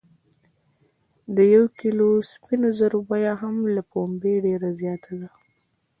د یو کیلو سپینو زرو بیه هم له پنبې ډیره زیاته ده.